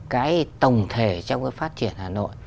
cái tổng thể trong cái phát triển hà nội